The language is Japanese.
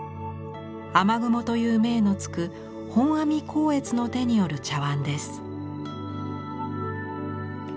「雨雲」という銘の付く本阿弥光悦の手による茶碗です。